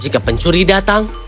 jika pencuri datang